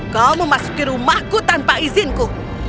kau memasuki rumahku tanpa izinku